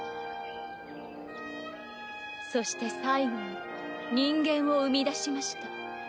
そして最後に人間を生み出しました。